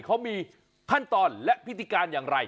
เขามีขั้นตอนและพิธีการอย่างไร